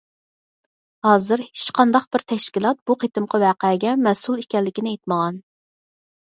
ھازىر ھېچقانداق بىر تەشكىلات بۇ قېتىمقى ۋەقەگە مەسئۇل ئىكەنلىكىنى ئېيتمىغان.